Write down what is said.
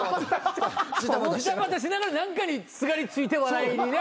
じたばたしながら何かにすがりついて笑いにね。